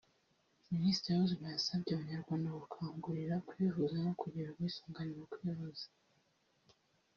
Minisitiri w’Ubuzima yasabye Abanyarwanda gukangukira kwivuza no kugira ubwisungane mu kwivuza